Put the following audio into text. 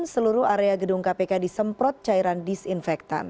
seluruh area gedung kpk disemprot cairan disinfektan